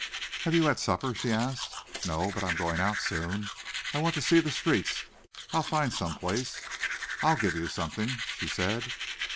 "Have you had supper?" she asked. "No, but I'm going out soon. I want to see the streets. I'll find some place." "I'll give you something," she said.